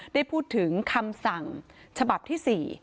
ได้พูดถึงคำสั่งฉบับที่๔